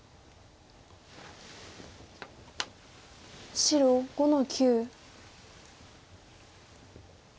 白５の九。